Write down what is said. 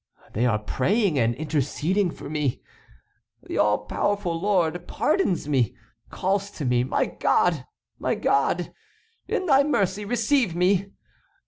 They are praying and interceding for me. The all powerful Lord pardons me—calls to me—My God! my God! In thy mercy, receive me!